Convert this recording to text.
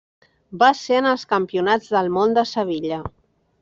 Va ser en els Campionats del Món de Sevilla.